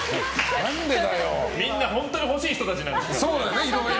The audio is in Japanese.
みんな本当に欲しい人たちなんですよ。